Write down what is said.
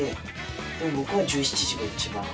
でも僕は１７時が一番。